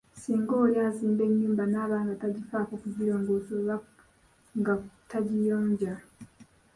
Singa oli azimba enyumba, n'aba nga tagifaako kugirongoosa oba nga tagiyonja.